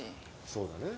そうだね。